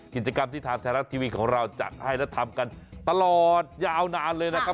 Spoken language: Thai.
กิจกรรมที่ทางไทยรัฐทีวีของเราจัดให้และทำกันตลอดยาวนานเลยนะครับ